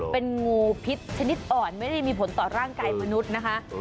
เป็นงูพิษชนิดอ่อนไม่ได้มีผลต่อร่างกายมนุษย์นะคะ